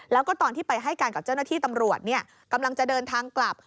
แล้วก็ตอนที่ไปให้การกับเจ้าหน้าที่ตำรวจกำลังจะเดินทางกลับ